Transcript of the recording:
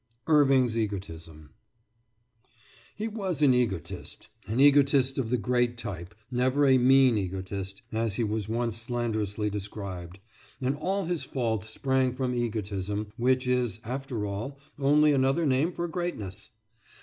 IRVING'S EGOTISM He was an egotist, an egotist of the great type, never "a mean egotist," as he was once slanderously described; and all his faults sprang from egotism, which is, after all, only another name for greatness.